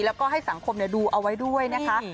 แล้วก็ให้สังคมดูเอาไว้ด้วยนะคะ